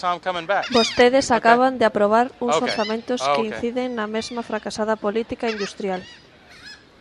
Vostedes acaban de aprobar uns orzamentos que inciden na mesma fracasada política industrial.